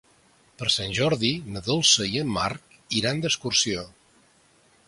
Per Sant Jordi na Dolça i en Marc iran d'excursió.